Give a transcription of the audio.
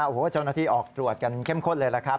โอ้โหเจ้าหน้าที่ออกตรวจกันเข้มข้นเลยล่ะครับ